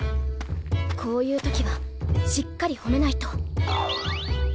こういう時はしっかり褒めないと。